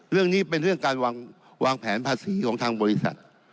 เรื่องนี้เป็นเรื่องการวางแผนภาษีของทางบริษัท